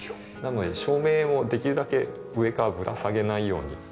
なので照明をできるだけ上からぶら下げないように。